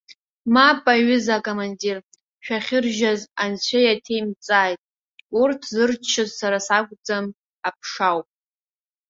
Мап, аҩыза акомандир, шәахьыржьаз анцәа иаҭеимҵааит, урҭ зырччоз сара сакәӡам аԥша ауп.